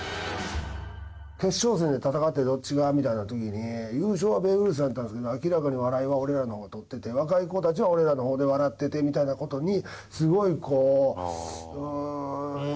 決勝戦で戦ってどっちがみたいな時に優勝はベイブルースやったんですけど明らかに笑いは俺らの方がとってて若い子たちは俺らの方で笑っててみたいな事に。